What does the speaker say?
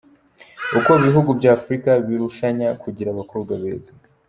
Uko ibihugu bya Afurika birushanya kugira abakobwa beza.